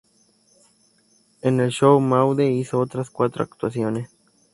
En el show "Maude" hizo otras cuatro actuaciones.